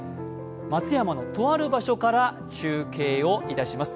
松山のとある場所から中継をいたします。